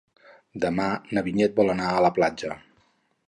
Demà na Vinyet vol anar a la platja.